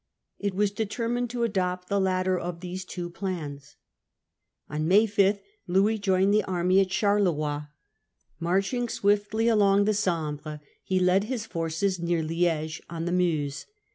It was determined to adopt the latter of these two plans. On May 5 Louis joined the army at Charleroi. Marching swiftly along the Sambre, he led his forces near Lifcge, on the Meuse.